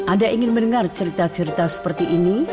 anda ingin mendengar cerita cerita seperti ini